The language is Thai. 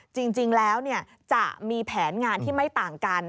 จริงแล้วจะมีแผนงานที่ไม่ต่างกัน